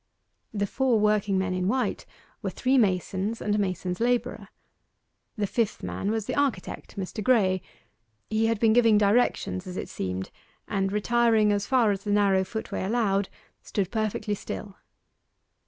The four working men in white were three masons and a mason's labourer. The fifth man was the architect, Mr. Graye. He had been giving directions as it seemed, and retiring as far as the narrow footway allowed, stood perfectly still.